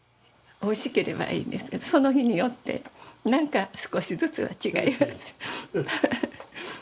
おいしければいいんですけどその日によってなんか少しずつは違います。